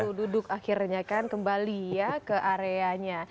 nanti duduk duduk akhirnya kan kembali ya ke areanya